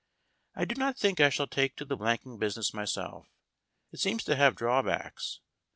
I do not think I shall take to the blanking business myself. It seems to have drawbacks.